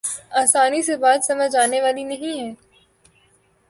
آسانی سے بات سمجھ آنے والی نہیں ہے۔